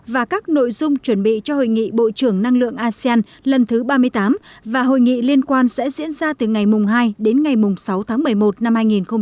và các nội dung chuẩn bị cho hội nghị bộ trưởng năng lượng asean lần thứ ba mươi tám và hội nghị liên quan sẽ diễn ra từ ngày hai đến ngày sáu tháng một mươi một năm hai nghìn hai mươi